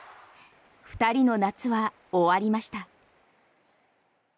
２人の夏は終わりました。